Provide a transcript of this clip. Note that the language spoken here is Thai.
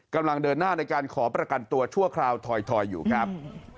กำลังเดินหน้าในการขอประกันตัวชั่วคราวถอยอยู่ครับ